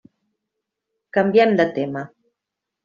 Canviem de tema.